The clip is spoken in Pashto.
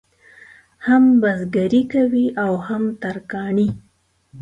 هم بزګري کوي او هم ترکاڼي.